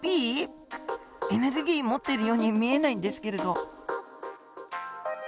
エネルギー持っているように見えないんですけれど。